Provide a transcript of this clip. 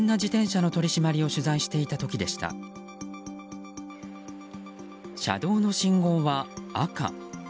車道の信号は赤。